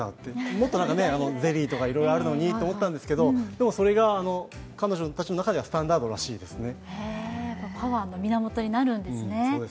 もっとゼリーとか、いろいろあるのにと思ったのに、でも彼女たちの中ではそれがパワーの源になるんですね。